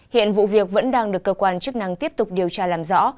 hiện vụ việc vẫn đang được cơ quan chức năng tiếp tục điều tra làm rõ